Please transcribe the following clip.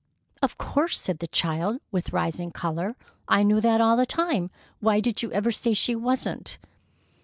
"Of course," said the child, with rising color. "I knew that all the time. Why did you ever say she wasn't?"